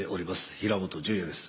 平本淳也です